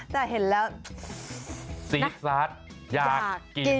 แต่เห็นแล้วซีดซาสอยากกิน